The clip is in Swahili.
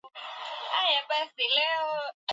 wengine wa Kituruki kwa historia ya Dola ya Ottoman